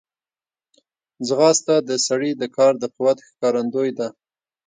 ځغاسته د سړي د کار د قوت ښکارندوی ده